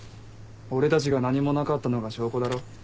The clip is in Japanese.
俺たちが何もなかったのが証拠だろ？